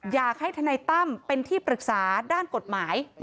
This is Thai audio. อยากให้ทนายตั้มเป็นที่ปรึกษาด้านกฎหมาย